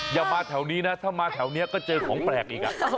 อย่ามาแถวนี้นะถ้ามาแถวนี้ก็เจอของแปลกอีก